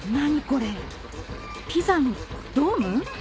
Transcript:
これピザのドーム？